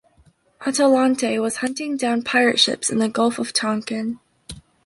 "Atalante" was hunting down pirate ships in the Gulf of Tonkin.